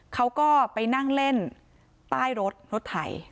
เขาก็ไปนั่งเล่นใต้รถรถไถ